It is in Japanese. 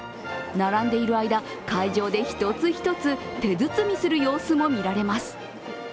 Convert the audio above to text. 並んでいる間、会場で１つ１つ手包みする様子も見られます。